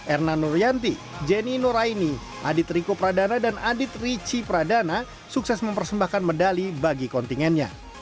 erna nuryanti jenny nuraini adit riko pradana dan adit rici pradana sukses mempersembahkan medali bagi kontingennya